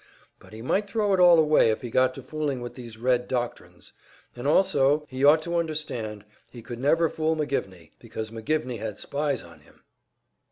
But he might throw it all away if he got to fooling with these Red doctrines. And also, he ought to understand, he could never fool McGivney; because McGivney had spies on him!